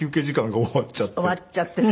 終わっちゃってね。